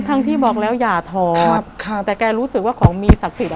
ที่บอกแล้วอย่าถอดครับแต่แกรู้สึกว่าของมีศักดิ์สิทธิ